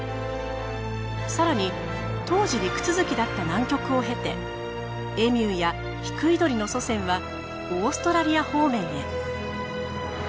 さらに当時陸続きだった南極を経てエミューやヒクイドリの祖先はオーストラリア方面へ。